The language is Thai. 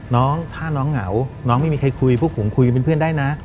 น้องถ้าน้องเหงาน้องไม่มีใครคุยพวกผมคุยกันเป็นเพื่อนได้นะ